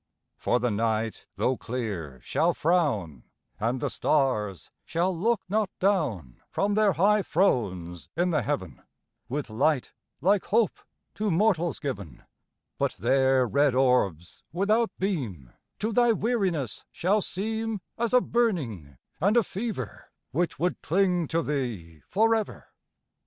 10 The night, though clear, shall frown, And the stars shall look not down From their high thrones in the Heaven With light like hope to mortals given, But their red orbs, without beam, 15 To thy weariness shall seem As a burning and a fever Which would cling to thee forever.